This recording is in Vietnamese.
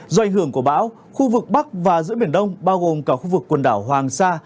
do ảnh hưởng của bão khu vực bắc và giữa biển đông bao gồm cả khu vực quần đảo hoàng sa